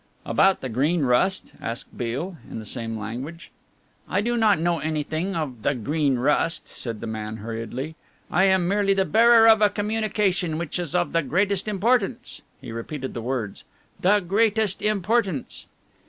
"About the Green Rust?" asked Beale, in the same language. "I do not know anything of the Green Rust," said the man hurriedly. "I am merely the bearer of a communication which is of the greatest importance." He repeated the words "the greatest importance."